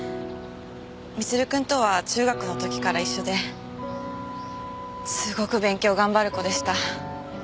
光留くんとは中学の時から一緒ですごく勉強を頑張る子でした。